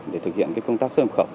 để thực hiện cái công tác sơ hợp khẩu